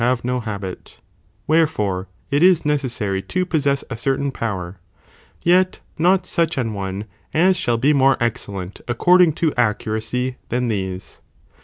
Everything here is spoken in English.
have no habit, wherefore it is necessary to possess a certain power, yet not such an one as shall be more excellent ac cording to accuracy than these.